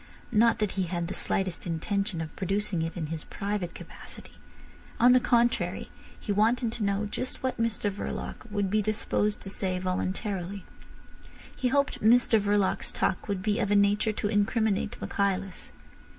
Not that he had the slightest intention of producing it in his private capacity. On the contrary, he wanted to know just what Mr Verloc would be disposed to say voluntarily. He hoped Mr Verloc's talk would be of a nature to incriminate Michaelis.